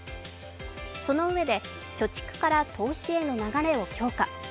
そのうえで貯蓄から投資への流れを強化。